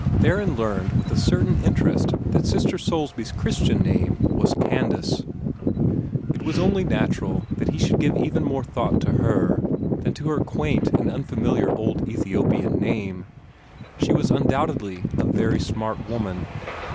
Theron learned with a certain interest that Sister Soulsby's Christian name was Candace. It was only natural that he should give even more thought to her than to her quaint and unfamiliar old Ethiopian name. She was undoubtedly a very smart woman.